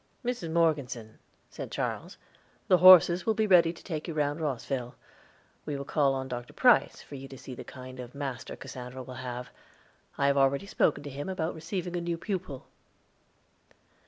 "Mrs. Morgeson," said Charles, "the horses will be ready to take you round Rosville. We will call on Dr. Price, for you to see the kind of master Cassandra will have. I have already spoken to him about receiving a new pupil."